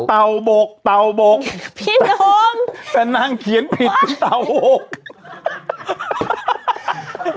อ๋อเต่าบกเต่าบกพี่หนุ่มแต่นั่งเขียนผิดเป็นเต่าหก